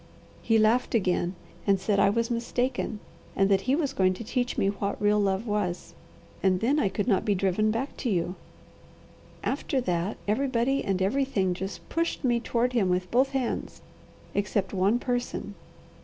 He laughed again and said I was mistaken, and that he was going to teach me what real love was, and then I could not be driven back to you. After that, everybody and everything just pushed me toward him with both hands, except one person.